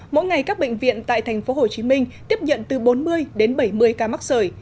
mỗi ngày các bệnh viện tại tp hcm tiếp nhận từ bốn mươi đến bảy mươi ca mắc sởi